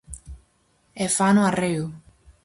E fano arreo.